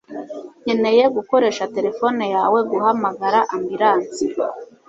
Nkeneye gukoresha terefone yawe guhamagara ambilansi.